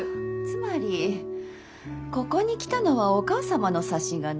つまりここに来たのはお母様の差し金？